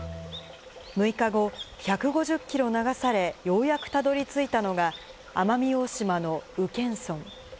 ６日後、１５０キロ流され、ようやくたどりついたのが、奄美大島の宇検村。